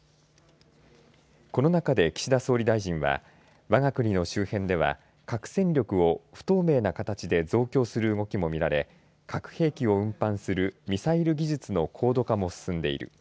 この中で岸田総理大臣はわが国の周辺では核戦力を不透明な形で増強する動きも見られ核兵器を運搬するミサイル技術の高度化も進んでいる。